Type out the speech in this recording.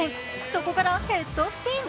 そこからヘッドスピン。